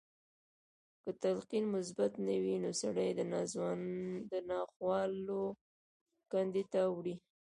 که تلقين مثبت نه وي نو سړی د ناخوالو کندې ته وړي.